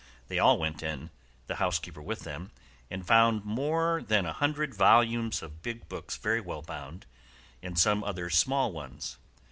They all went in, the housekeeper with them, and found more than a hundred volumes of big books very well bound, and some other small ones.